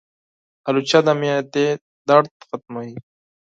الوچه د معدې درد ختموي.